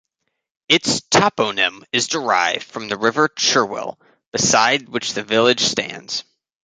Its toponym is derived from the River Cherwell beside which the village stands.